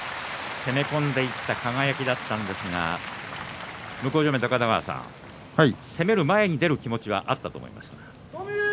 攻め込んでいった輝だったんですが高田川さん攻める前に出る気持ちはあったと思います。